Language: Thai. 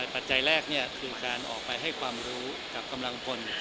ปัจจัยแรกคือการออกไปให้ความรู้กับกำลังพล